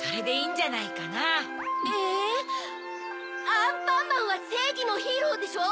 アンパンマンはせいぎのヒーローでしょ？